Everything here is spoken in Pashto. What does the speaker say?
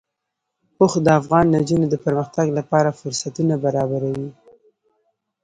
اوښ د افغان نجونو د پرمختګ لپاره فرصتونه برابروي.